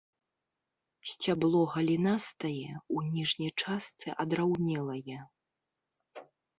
Сцябло галінастае, у ніжняй частцы адраўнелае.